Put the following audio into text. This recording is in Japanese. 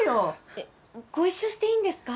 えっご一緒していいんですか？